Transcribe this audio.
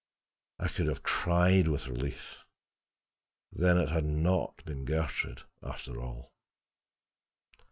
I could have cried with relief; then it had not been Gertrude, after all!